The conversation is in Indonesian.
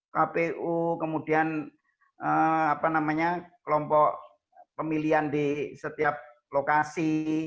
kpu kemudian kelompok pemilihan di setiap lokasi